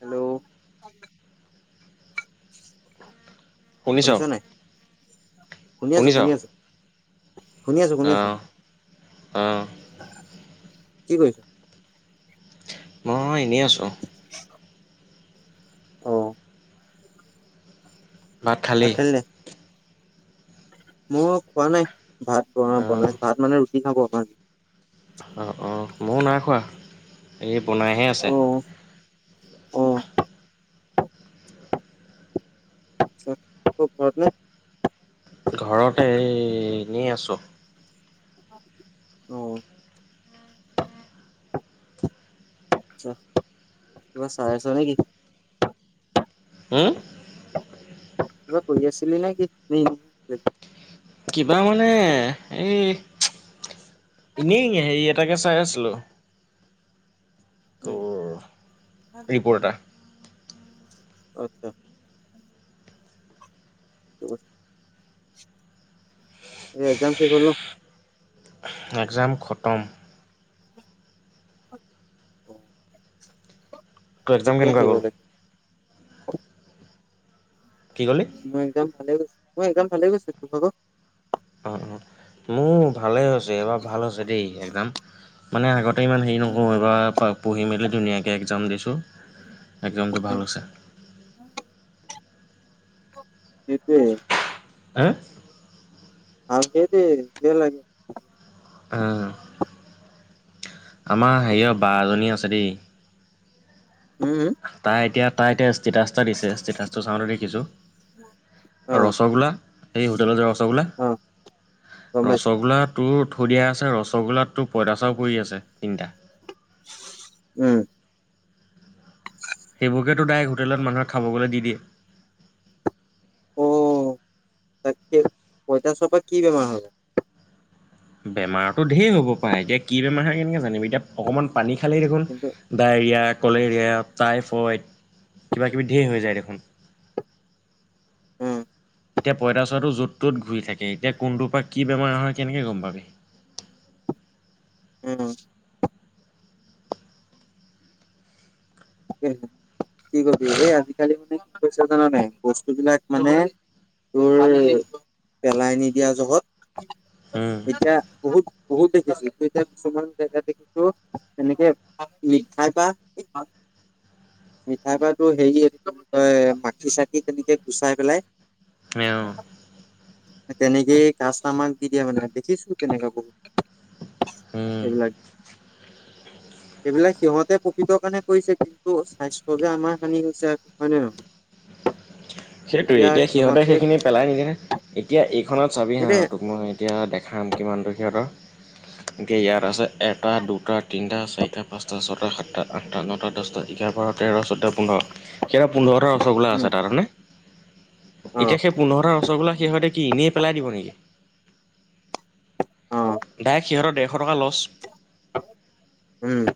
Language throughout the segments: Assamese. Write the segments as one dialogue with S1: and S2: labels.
S1: হেল্ল' শুনিছ নাই? শুনি আছো
S2: শুনিছ
S1: শুনি আছো। শুনি আছো, শুনি আছো।
S2: আহ আহ
S1: কি কৰিছ?
S2: মই এনেই আছো।
S1: [unintelligible] অ
S2: ভাত খালি?
S1: মই খোৱা নাই ভাত
S2: অঁ
S1: ব-বনাই ভাত মানে ৰুটি খাব আমাৰ।
S2: অঁ অঁ ময়ো নাই খোৱা, এই বনাইহে আছে।
S1: অ অ। আছা ক'ত ঘৰত নে?
S2: ঘৰতে এ এনেই আছোঁ।
S1: অ। আচ্ছা, কিবা চাই আছ নেকি?
S2: হুম
S1: কিবা কৰি আছিলি নেকি [unintelligible]
S2: কিবা মানে এই ইনেই হেৰি এটাকে চাই আছিলোঁ। তোৰ ৰিপৰ্ট এটা।
S1: আচ্ছা। এই একজাম শেষ হ'ল ন?
S2: একজাম খটম।
S1: অ'।
S2: তোৰ একজাম কেনেকোৱা গ'ল?
S1: একজাম?
S2: কি কলি?
S1: মোৰ একজাম ভালে গৈছে, মোৰ একজাম ভালে গৈছে, তোৰ ভাগৰ?
S2: অ' অ' মোৰ ভালেই হৈছে এইবাৰ ভাল হৈছে দেই একজাম, মানে আগত এই ইমান হেৰি
S1: উম
S2: নহয়। এইবাৰ পঢ়ি মেলি ধুনীয়াকৈ একজাম দিছোঁ। একজামটো
S1: উম
S2: ভাল হৈছে।
S1: [unintelligible] সেইটোৱে
S2: আৰু
S1: অ সেইটোৱেই, কিয় লাগে?
S2: অ। আমাৰ হেৰিয় বা এজনী আছে দেই
S1: হুম হুম?
S2: তাই এতিয়া তাই এতিয়া ষ্টেটাছ এটা দিছে ষ্টেটাচটো চাওঁতে দেখিছো
S1: অ
S2: ৰসগোল্লা সেই হোটেলৰ যে ৰসগোল্লা।
S1: অ গম পাইছো
S2: ৰসগোল্লাত তোৰ থৈ দিয়া আছে ৰসগোল্লাত তোৰ পইতাচোৰা পৰি আছে তিনিটা।
S1: উম।
S2: সেইবোৰকেতো ডাইৰেক্ট হোটেলত মানুহে খাব গলে দি দিয়ে।
S1: অ' তাকে। পইতাচোৰাৰ পৰা কি বেমাৰ হয় বাৰু?
S2: বেমাৰটো ধেই হ'ব পাৰে। এতিয়া কি বেমাৰ হয় কেনেকে জানিম। এতিয়া অকণমান পানী খালেই দেখোন
S1: কিন্তু
S2: ডায়েৰিয়া, কলেৰিয়া, টাইফইড কিবাকিবি ধেই হৈ যায় দেখোন।
S1: উম
S2: এতিয়া পইতাচোৰাটো য'ত ত'ত ঘূৰি থাকে। এতিয়া কোনটোৰ পা কি বেমাৰ হয় কেনেকৈ গম পাবি।
S1: উম। তাকে কি কবি। এই আজিকালি মানে কি হৈছে জান নাই, বস্তু বিলাক মানে তোৰ পেলাই নিদিয়া জহত
S2: উম,
S1: এতিয়া বহুত বহুত দেখিছো। তোৰ এতিয়া কিছুমান জেগাত দেখিছো এনেকে মিঠাই পা [unintelligible] মিঠাই পা তোৰ হেৰি কি কয় মাখি চাখি তেনেকে গুচাই পেলাই
S2: [unintelligible]
S1: তেনেকেই কাষ্টমাৰক দি দিয়া মানে, দেখিছো তেনেকোৱা বহুত।
S2: উম।
S1: সেইবিলাক, সেইবিলাক সিহঁতে প্ৰফিটৰ কাৰণে কৰিছে। কিন্তু স্বাস্থ্য যে আমাৰ হানি হৈছে হয় নে নহয়।
S2: সেইটোৱে এতিয়া সিহঁতে সেইখিনি পেলাই নিদিয়ে নহয়। এতিয়া এইখনত চাবি হাঁ
S1: সেইটোৱে
S2: তোক মই এতিয়া দেখাম কিমানটো সিহঁতৰ ধেই ইয়াত আছে এটা, দুটা, তিনিটা, চাৰিটা, পাঁচটা, ছটা, সাতটা, আঠটা, নটা, দহটা। এঘাৰ, বাৰ, তেৰ, চৈধ্য, পোন্ধৰ, কেইটা পোন্ধৰতা ৰসগোল্লা
S1: উম
S2: আছে তাত হয় নে?
S1: অ
S2: এতিয়া সেই পোন্ধৰটা ৰসগোল্লা সিহঁতে কি এনেই পেলাই দিব নেকি?
S1: অ
S2: ডাইৰেক্ট সিহঁতৰ ডেৰশ টকা লচ।
S1: উম।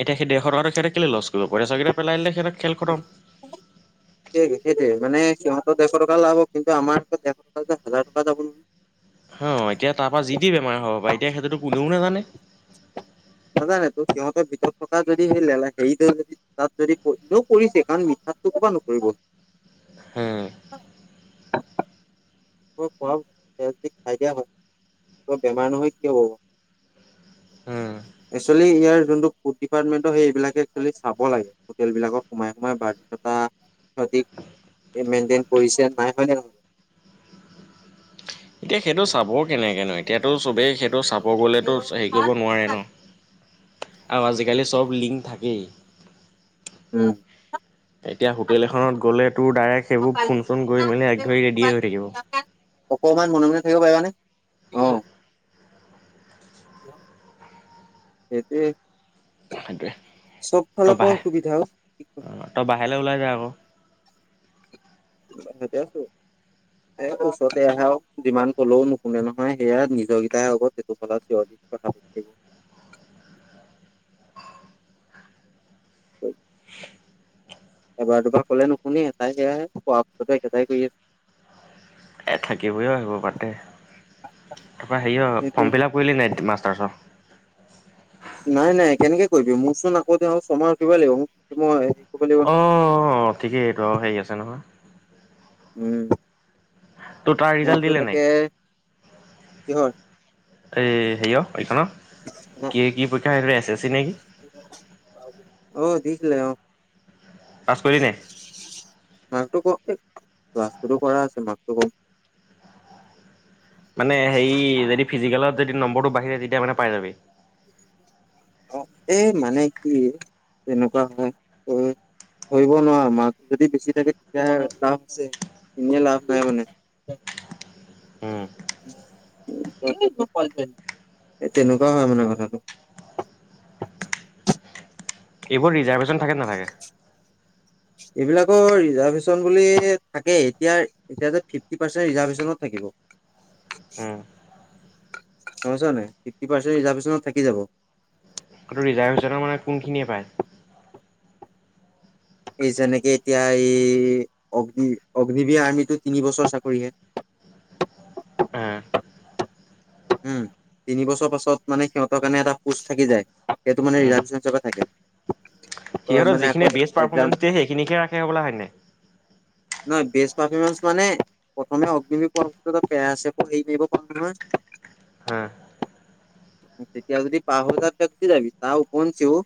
S2: এতিয়া সেই ডেৰশ টকাটো সিহঁতে কেলে লচ কৰিব, পইটাচোৰা কেইটা পেলাই দিলে সিহঁতৰ খেল খটম।
S1: সেয়ে সেইটোৱে মানে সিহঁতৰ ডেৰশ টকা লাভ হ'ব কিন্তু আমাৰ আকৌ ডেৰশ টকাত হাজাৰ টকা যাব নহয়।
S2: হা, এতিয়া তাৰ পৰা যি তি বেমাৰ হ'ব পাৰে এতিয়া সেইটোতো কোনেও নেজানে।
S1: নেযানেটো সিহঁতৰ ভিতৰত থকা যদি সেই লেলা হেৰিটো যদি, তাত যদি পৰি এনেও পৰিছেই কাৰণ মিঠাতটো ক'ৰপৰা নপৰিব।
S2: হে,
S1: প‌ইতাচোৰা পৰাও সেয়া যদি খাই দিয়া হয়, ত বেমাৰ নহয় কিয় বাৰু।
S2: উম,।
S1: এক্সুৱেলি ইয়াৰ যোনটো ফুড ডিপাৰ্টমেণ্ট সেইবিলাকে এক্সুৱেলি চাব লাগে। হোটেল বিলাকত সোমাই সোমাই বাধ্যতা সিহঁতি এই মেইনটেইন কৰিছে নাই হয় ন নহয়?
S2: এতিয়া সেইটো চাব কেনেকেনো এতিয়াতো চবেই সেইটো চাব গ'লেতো হেৰি কৰিব নোৱাৰে ন। আৰু আজিকালি চব লিংক থাকেই।
S1: উম।
S2: এতিয়া হোটেল এখনত গ'লে তোৰ ডাইৰেক্ট সেইবোৰ ফোন চোন কৰি মেলি এক ধৰি ৰেডিয়ে হৈ থাকিব।
S1: অকমান মনে, মনে থাকিব পাৰিবানে অ'। সেইটোৱে।
S2: সেইটোৱে।
S1: চব ফালৰ পৰাও সুবিধাও।
S2: ত' বাহিৰলৈ ওলাই যায় আকৌ
S1: সতে আছো [unintelligible] এ ওচৰতে আহা যিমান কলেও নুশুনে নহয় সেয়া নিজৰকেইটাহে হ'ব তেইটো ফলত চিঞৰ দি কথা হয় [unintelligible] এবাৰ দুবাৰ ক'লে নুশুনি এটাই বেয়াহে কোৱা পাছতো একেটাই কৰি আছে
S2: এই থাকিবই আহিব পাতে তাৰপৰা হেৰিয়
S1: সেইটোৱে।
S2: ফৰ্ম ফিল আপ কৰিলি নাই মাষ্টাৰছত।
S1: নাই, নাই কেনেকে কৰিবি মোৰচোন আকৌতে আহ ছমাই ৰখিবা লাগিব মোকই
S2: অ', ঠিকেইটো হেৰি আছে নহয়।
S1: উম,
S2: তোৰ তাৰ ৰিজাল্ট
S1: মোৰটো
S2: দিলে নাই?
S1: থাকে কিহৰ
S2: এই হেৰিয় এইখনৰ কি, কি পৰীক্ষা এছ, এছ চি নেকি?
S1: অ', দিছিলে অ'।
S2: পাছ কৰিলিনে নাই।
S1: মাকটো [unintelligible] কম ল্ছ কৰা আছে মাকটো কম
S2: মানে হেৰি যদি ফিজিকেলত যদি নম্বৰটো বাঢ়ি যৰে তেতিয়া মানে পাই যাবি।
S1: অ', এই মানে কি তেনেকুৱা হয় ধৰিব নোৱাৰা মাক যদি বেছি থাকে তেতিয়া লাভ আছে এনে লাভ নাই মানে
S2: উম
S1: তেনেকুৱা হয় মানে কথাটো।
S2: এইবোৰ ৰিজাৰ্ভেশন থাকে নাথাকে
S1: এইবিলাকৰ ৰিজাৰ্ভেশচন বুলি থাকে এতিয়া এতিয়া যে ফিফটি পাৰ্চেন্ট ৰিজাৰভেশচনত থাকিব।
S2: উম
S1: গ'ম পাইছা নাই ফিফটি পাৰ্চেণ্ট ৰিজাৰ্ভেশ্যনত থাকি যাব।
S2: তটো ৰিজাৰ্ভ হৈছে ন মানে কোনখিনিয়ে পায়?
S1: এই যেনেকে এতিয়া এই অগ্নি অগ্নিবীৰ আৰ্মিতটো তিন বছৰ চাকৰিহে
S2: আহ
S1: উম। তিনিছৰ পাছত মানে সিহঁতৰ কাৰণে এটা পোচ থাকি যায় সেইটো মানেৰিজাৰ্শন হিচাপে থাকে। তই
S2: সিহঁত
S1: মানে আকৌ
S2: যিখিন বেষ্ট
S1: একজাম
S2: পাৰফৰ্মেঞ্চ দিয়ে সেইখিনিকে ৰাখে হবলা হয়নে
S1: নহ বেষ্ট পাৰফৰ্মেঞ্চ মানে প্ৰথমে অগ্নি কোৱা [unintelligible] পছ পেপ মিব পাৰে
S2: হা
S1: তেতিয়া যদি পাহাৰ তে যদি যাবি তাহ ওপঞ্চিও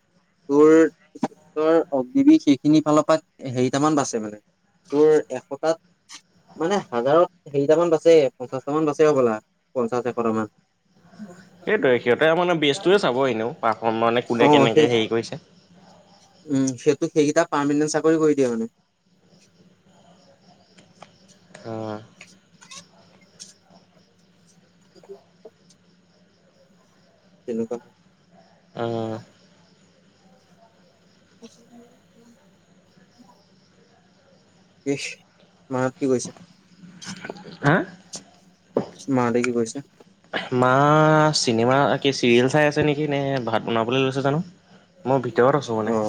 S1: তোৰ অগ্নি বিষ সেইখিনি ফালৰ পৰা হেৰিটামান বাচছে মানে তোৰ এশতাত মানে হাজাৰত হৰিটামান বাচ পঞ্চাশটাামান বাচ হ'বলা পঞ্চাশ এশটামান উম।
S2: সেইটোৱে সিহঁতে মানে বেষ্টটোৱে চাব এনেও পাৰফ মানে
S1: অ
S2: কোনে
S1: সেই
S2: কেনেকৈ হেৰি কৰিছে।
S1: উম সেইটো সেইকেইটা পাৰ্মমানেণ্ট চাকৰি কৰি দিয়ে মানে
S2: অ'।
S1: হয় [unintelligible] তেনেকুৱা হয়।
S2: অ।
S1: [inaudible] [unintelligible] মাহত কি কৰিছে?
S2: হা
S1: মাহতে কি কৰিছে?
S2: মা, চিনেমা কি চিৰিয়েল চাই আছে নেকি, নে ভাত বনাবলৈ লৈছে জানোঁ! মই ভিতৰত আছোঁ মানে।
S1: অ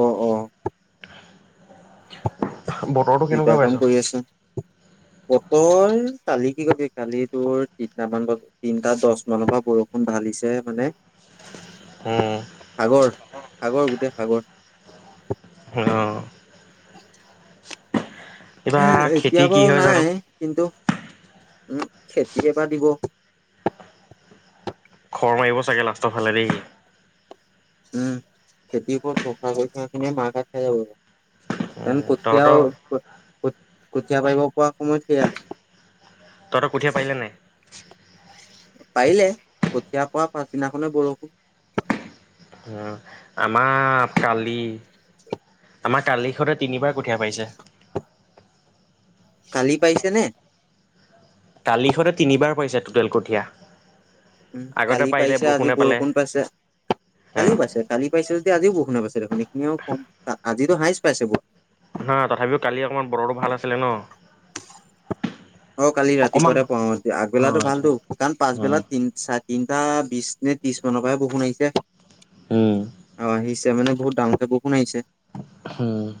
S1: অ অ
S2: বতৰটো কেনেকুৱা
S1: দেউতাৰ
S2: পাইছ
S1: কাম কৰি আছো। বতৰ কালি কি কবি, কালি তোৰ তিনিতামান বজাত তিনটা দছ মানৰ পৰা বৰষুণ ঢালিছে মানে
S2: উম
S1: সাগৰ-সাগৰ গোটেই সাগৰ।
S2: অঁ। এইবাৰ
S1: এতিয়া
S2: খেতি কি
S1: বাৰু
S2: হয় জানো
S1: নাই, কিন্তু উম, [unintelligible]
S2: খৰ মাৰিব চাগে, লাষ্টৰ ফালে দেই।
S1: উম, খেতিৰ ওপৰত পকা কঠীয়া খিনি মাৰ ঘাট খাই যাব। জানো,
S2: উম, তহঁতৰ
S1: কঠীয়া-কঠীয়া [unintelligible] পাৰিব পৰা সময়ত সেয়া।
S2: তহতৰ কঠিয়া পাৰিলে নাই!
S1: পাৰিলে, কঠীয়া পৰা পাছদিনাখনে বৰষুণ।
S2: অ, আমাৰ কালি
S1: [inaudible]
S2: আমাৰ কালি সঁতে তিনিবাৰ কঠীয়া পাৰিছে।
S1: কালি পাৰিছে নে।
S2: কালিসতে তিনিবাৰ পাৰিছে টুটেল কঠীয়া। আগতে
S1: কালি
S2: পাৰিলে
S1: পাৰিছে, আজি
S2: বৰষুণে পালে
S1: বৰষুণ পাইছে।
S2: অ,
S1: কালিওঁ পাৰিছে, কালি পাৰিছে যদি আজিওঁ বৰষুন পাইছে, এইখিনিও আজিটো হাইষ্ট পাইছে বৰষুণে।
S2: হা, তথাপিও কালি অকণমান বতৰতো ভাল আছিলে ন।
S1: অ, কালি
S2: অকমান
S1: ৰাতিপুৱাতে [unintelligible]
S2: অ,
S1: আগবেলাতো
S2: সেইটো অ,
S1: ভালতো, কাৰণ পাচবেলা
S2: উম,
S1: তিন চাৰে তিনটা বিশ নে ত্ৰিশ মানৰ পৰাহে বৰষুন আহিছে।
S2: উম।
S1: অ, আহিছে মানে বহুত ডাঙৰকে বৰষুন আহিছে।
S2: উম।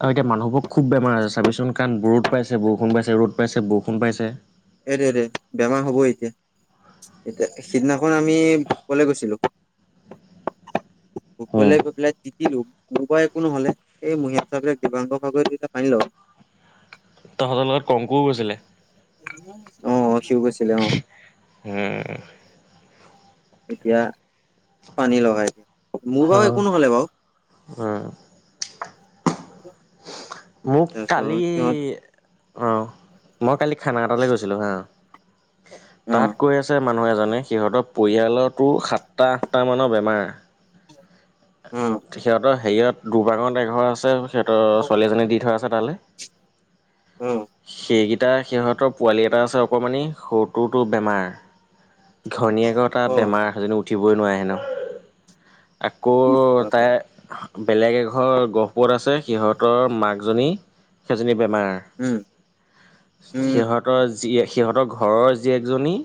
S2: আৰু এতিয়া মানুহবোৰ খুব বেমাৰত আছে, চাবিচোন! কাৰণ ৰ'দ পাইছে, বৰষুণ পাইছে, ৰ'দ পাইছে, বৰষুণ পাইছে।
S1: সেইটোৱে দে, বেমাৰ হ'বই এতিয়া। এতিয়া সিদিনাখন আমি ফুৰিবলে গৈছিলোঁ।
S2: উম,
S1: ফুৰিবলে গৈ পেলাই টিটিলো, মোৰ বাৰু একো নহ'লে, এই [unintelligible]
S2: তহঁতৰ লগত কংকুও গৈছিলে!
S1: অ, অ, সিওঁ গৈছিলে। অ।
S2: উম,
S1: এতিয়া পানী লগা, মোৰ বাৰু
S2: অ',
S1: একো নহ'লে বাৰু। [inaudible]
S2: অ', মোক
S1: তাৰপিছত
S2: কালি,
S1: সিহঁত
S2: অ মই কালি খানা এটালৈ গৈছিলোঁ হা,
S1: অ
S2: তাত কৈ আছে মানুহে এজনে, সিহঁতৰ পৰিয়ালতো সাতটা-আঠটা মানৰ বেমাৰ।
S1: উম।
S2: সিহঁতৰ হেৰিয়ত দুবাগত এঘৰ আছে, সিহঁতৰ ছোৱালী এজনী দি থোৱা আছে তালৈ।
S1: অ
S2: সেইকেইটা, সিহঁতৰ পোৱালি এটা আছে অকমানি, সৰুটোতো বেমাৰ। ঘনীয়েক আৰু তাৰ
S1: অ
S2: বেমাৰ, সেইজনো উঠিবই নোৱাৰে হেনো। আকৌ তাই
S1: [unintelligible]
S2: বেলেগ এঘৰ গহপুৰত আছে সিহঁতৰ মাক জনী, সেইজনী বেমাৰ।
S1: উম উম
S2: সিহঁতৰ জি সিহঁতৰ ঘৰৰ জিয়েকজনী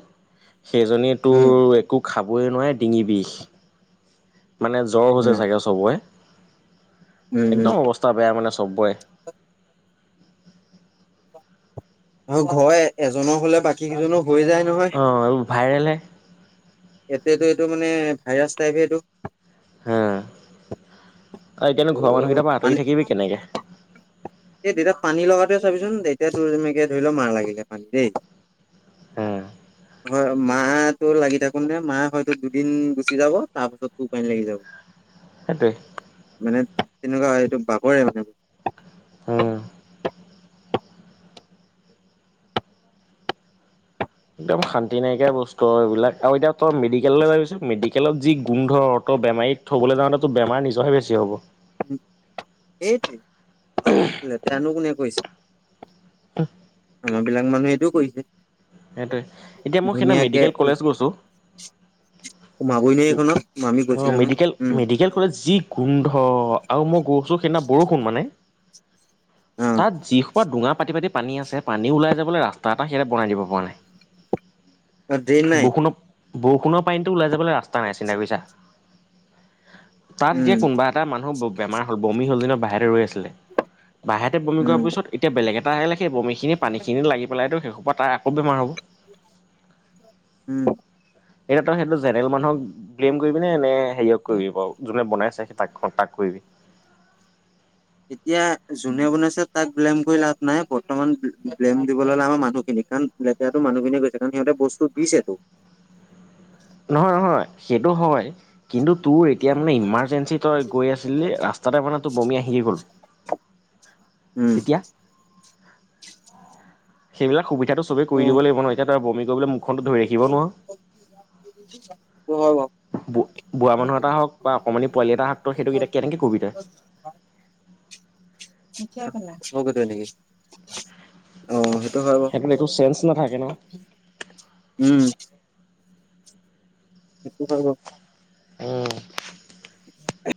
S2: সেইজনীয়ে
S1: উম
S2: তোৰ একো খাবই নোৱাৰে, ডিঙি বিষ। মানে জ্বৰ হৈছে
S1: উম
S2: চাগে চবৰে,
S1: উম উম
S2: একদম অৱস্থা বেয়া মানে চবৰে।
S1: আৰু ঘৰৰ এজনৰ হ'লে বাকী কেইজনো হৈ যায়। নহয়
S2: অ'এইবোৰ ভাইৰেলহে।
S1: এতিয়াতো এইটো মানে ভাইৰাছ টাইপ হে এইটো।
S2: হাঁ আৰু
S1: ত'
S2: এতিয়ানো ঘৰৰ মানুহকেইটাৰ পৰা
S1: মানে
S2: আঁতৰি থাকিবি কেনেকে?
S1: এই দেউতাত পানী লগাটোৱে চাবিচোন, এতিয়া তোৰ এনেকে ধৰি ল মাৰ লাগিলে পানী দেই
S2: হাঁ।
S1: হয়, মা তোৰ লাগি থাকোঁতে মা হয়তো দুদিন গুচি যাব তাৰ পাছত তোৰ পানী লাগি যাব। [inaudible]
S2: সেইটোৱে।
S1: মানে তেনেকুৱা এইটো বাগৰেই মানে।
S2: উম একদম শান্তি নাইকিয়া বস্তু আৰু এইবিলাক, আৰু এতিয়া তই মেডিকেললৈ যাবিচোন, মেডি কেলত, যি গোন্ধ, ত' বেমাৰীক থ'বলৈ যাওঁতে তোৰ বেমাৰ নিজৰহে বেছি হ'ব।
S1: এইটোৱে আৰু লেতেৰানো কোনে কৰিছে? আমাৰ বিলাক মানুহেইটো কৰিছে।
S2: সেইটোৱে! এতিয়া মই সেইদিনা
S1: ধুনীয়াকে
S2: মেডিকেল কলেজ গৈছোঁ!
S1: সোমাবই নোৱাৰি এইখনত আমি
S2: অ',
S1: গৈছিলো নহয়
S2: মেডিকেল,
S1: উম
S2: মেডিকেল কলেজ যি গোন্ধ আৰু মই গৈছোঁ সেইদিনা বৰষুণ মানে
S1: অ
S2: তাত যিসোপা ডোঙা পাতি, পাতি পানী আছে, পানী ওলাই যাবলৈ ৰাস্তা এটা সিহঁতে বনাই দিব পৰা নাই!
S1: অ ড্ৰেইন নাই
S2: বৰষুণটো বৰষুণৰ পানীতো ওলাই যাবলৈ ৰা স্তা, নাই! চিন্তা কৰি ছা? তাত
S1: উম
S2: এতিয়া কোনোবা এটা মানুহ বেমাৰ হ'ল, বমি হ'ল যেনিবা বাহিৰতে ৰৈ আছিলে বাহিৰতে বমি কৰোৱাৰ
S1: উম
S2: পিছত এতিয়া বেলেগ এটা আহিলে, সেই বমিখিনি পানীখিনি লাগি পেলাইতো সেইসোপা তাৰ আকৌ বেমাৰ হ'ব।
S1: উম।
S2: এতিয়া তই সেইটো জেনেৰেল মানুহক ব্লেইম কৰিবি নে, নে হেৰিয়ক কৰিবি বাৰু? যোনে বনাইছে সেই তাক, তাক কৰিবি।
S1: এতিয়া যোনে বনাইছে তাক ব্লেম কৰি লাভ নাই, বৰ্তমান ব্লেম দিবলৈ হ'লে আমাৰ মানুহখিনি কাৰণ লেতেৰাটো মানুহখিনিয়ে কৰিছে, কাৰণ সিহঁতে বস্তু দিছেতো।
S2: নহয়, নহয়! সেইটো হয়। কিন্তু তোৰ এতিয়া মানে ইমাৰ্জেঞ্চি তই গৈ আছিলি, ৰাস্তাতে মানে তোৰ বমি আহিয়ে গ'ল।
S1: উম।
S2: তেতিয়া সেইবিলাক সুবিধাটো চবে কৰি
S1: অ
S2: দিব লাগিব ন! এতিয়া তই আৰু বমি কৰিবলৈ মুখ খনটো ধৰি ৰাখিব নোৱাৰ।
S1: নহ'ব।
S2: বু বুঢ়া মানুহ এটা হওঁক বা অকনমানি পোৱালি এটা হওঁক সেইটো এতিয়া কেনেকৈ কবি তয়?
S1: [unintelligible] অ', সেইটো হয় বাৰু,
S2: সেইখিনিতো চেঞ্চ নাথাকে ন।
S1: উম। সেই টো হয় বাৰু।
S2: উম।
S1: [unintelligible]